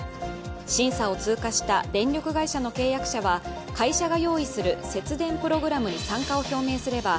審査を通過した電力会社の契約者は会社が用意する節電プログラムに参加を表明すれば